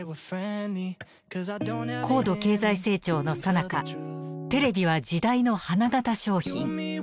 高度経済成長のさなかテレビは時代の花形商品。